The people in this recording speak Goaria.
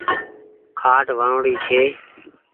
کآٽ وڻوڻي ڇي۔